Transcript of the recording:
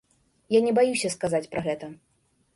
Я не баюся сказаць пра гэта.